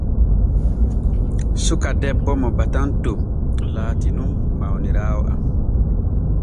Suka debbo mo batanton laati nun mawniraawo am.